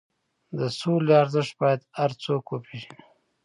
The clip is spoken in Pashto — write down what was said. د سولې ارزښت باید هر څوک وپېژني.